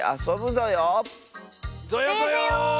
ぞよぞよ。